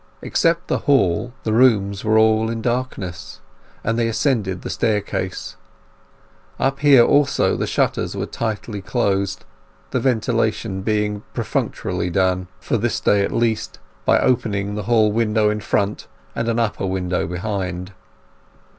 Except the hall, the rooms were all in darkness, and they ascended the staircase. Up here also the shutters were tightly closed, the ventilation being perfunctorily done, for this day at least, by opening the hall window in front and an upper window behind.